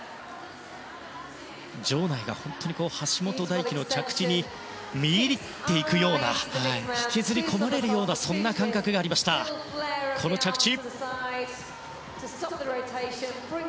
場内が本当に橋本大輝の着地に見入っていくような引きずり込まれるような感覚があった着地。